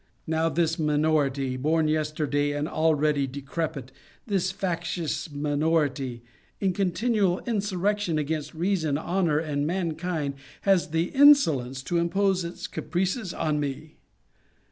Now this minority, born yesterday and already decrepit ; this factious minority, in continual insurrection against reason, honor and mankind, has the insolence to impose its caprices on me